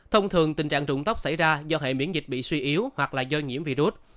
thông thường tình trạng rụng tóc xảy ra do hệ miễn dịch bị suy yếu hoặc do nhiễm virus